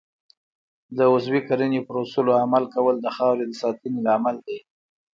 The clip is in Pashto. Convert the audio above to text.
د عضوي کرنې پر اصولو عمل کول د خاورې د ساتنې لامل دی.